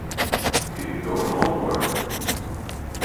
Do your homework!